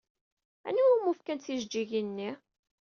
Anwa umi fkant tijeǧǧigin-nni?